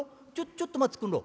ちょっと待っつくんろ。